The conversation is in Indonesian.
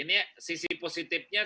ini adalah hal yang sangat positif